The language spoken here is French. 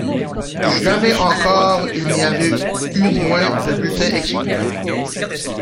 Jamais encore il n'y avait eu moins de bulletins exprimés.